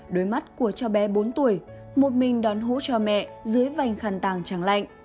đôi mắt của cháu bé bốn tuổi một mình đón hũ cháu mẹ dưới vành khăn tàng trắng lạnh